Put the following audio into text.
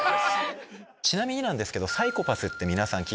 ちなみになんですけど。